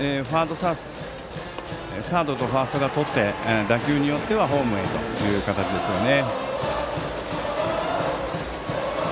サードとファーストがとって、打球によってはホームへという形ですね。